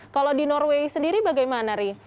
kalau di norway sendiri bagaimana ri